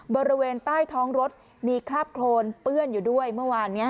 บริเวณใต้ท้องรถมีคราบโครนเปื้อนอยู่ด้วยเมื่อวานนี้